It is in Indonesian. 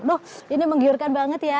loh ini menggiurkan banget ya